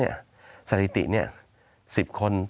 สวัสดีครับทุกคน